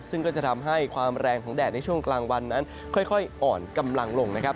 ซึ่งก็จะทำให้ความแรงของแดดในช่วงกลางวันนั้นค่อยอ่อนกำลังลงนะครับ